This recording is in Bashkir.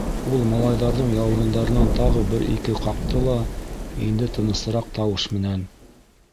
Ул малайҙарҙың яурындарынан тағы бер-ике ҡаҡты ла инде тынысыраҡ тауыш менән: